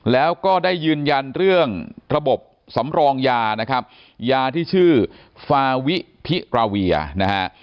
แล้วก็ได้ยืนยันเรื่องระบบสำรองยานะครับยาที่ชื่อฟาวิพิราเวียนะฮะ